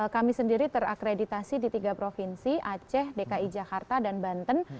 kami sendiri terakreditasi di tiga provinsi aceh dki jakarta dan banten